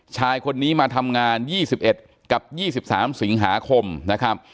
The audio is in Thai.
ชายคนนี้มาทำงาน๒๑กับ๒๓สิงหาคมนะครับ